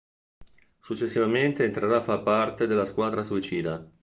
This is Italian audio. Successivamente entrerà a far parte della Squadra Suicida.